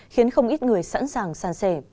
khiến không ít người sẵn sàng sàn sẻ